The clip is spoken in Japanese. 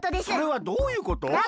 それはどういうこと？